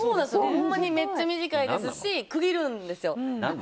ほんまにめっちゃ短いですし区切るんですよ。